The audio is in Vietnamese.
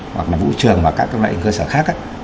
hoặc là vũ trường và các loại cơ sở khác